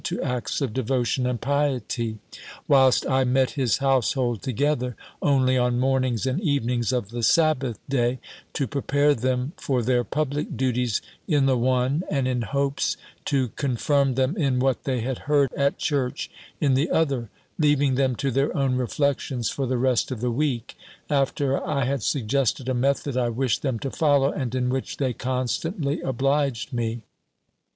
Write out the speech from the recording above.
to acts of devotion and piety; whilst I met his household together, only on mornings and evenings of the Sabbath day, to prepare them for their public duties in the one, and in hopes to confirm them in what they had heard at church in the other; leaving them to their own reflections for the rest of the week; after I had suggested a method I wished them to follow, and in which they constantly obliged me.